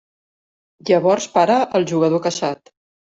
Llavors para el jugador caçat.